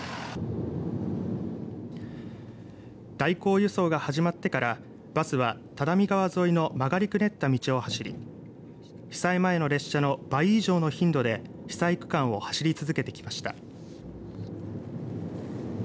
代行輸送が始まってからバスは只見川沿いの曲がりくねった道を走り被災前の列車の倍以上の頻度で被災区間を走り続けてきました。